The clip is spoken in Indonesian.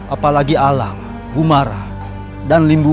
apalagi alam bumara dan limbubu